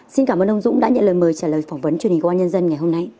xin cảm ơn ông dũng đã nhận lời mời trả lời phỏng vấn truyền hình công an nhân dân ngày hôm nay